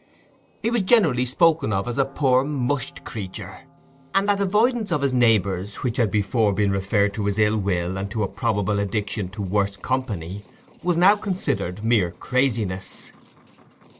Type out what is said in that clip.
He was generally spoken of as a "poor mushed creatur"; and that avoidance of his neighbours, which had before been referred to his ill will and to a probable addiction to worse company, was now considered mere craziness.